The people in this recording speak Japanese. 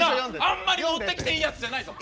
あんまり持ってきていいやつじゃないぞ。